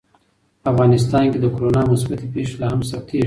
افغانستان کې د کورونا مثبتې پېښې لا هم ثبتېږي.